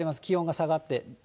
気温が下がって。